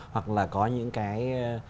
hoặc là có những cái